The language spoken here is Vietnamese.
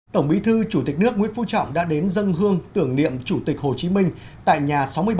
tổng bí thư chủ tịch nước nguyễn phú trọng đã đến dân hương tưởng niệm chủ tịch hồ chí minh tại nhà sáu mươi bảy